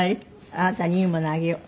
「あなたにいいものあげよう」